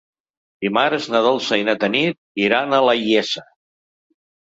Dimarts na Dolça i na Tanit iran a la Iessa.